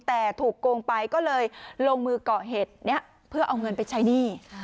แต่ถูกโกงไปก็เลยลงมือก่อเหตุนี้เพื่อเอาเงินไปใช้หนี้